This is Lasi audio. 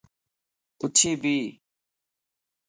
اُڇي بي